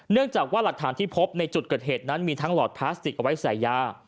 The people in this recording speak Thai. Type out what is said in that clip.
จากว่าหลักฐานที่พบในจุดเกิดเหตุนั้นมีทั้งหลอดพลาสติกเอาไว้ใส่ยา